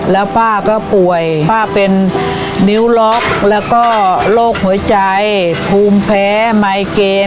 แล้วป้าก็ป่วยป้าเป็นนิ้วล็อกแล้วก็โรคหัวใจภูมิแพ้ไมเกณฑ์